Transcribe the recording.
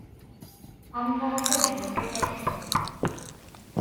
Ambassador to Mexico.